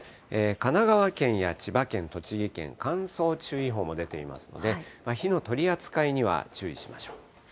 神奈川県や千葉県、栃木県、乾燥注意報も出ていますので、火の取り扱いには注意しましょう。